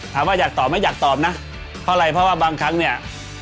ถามว่าอยากตอบไหมอยากตอบนะเหลื่อที่บางครั้งเนี่ย